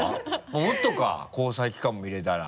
もっとか！交際期間も入れたら。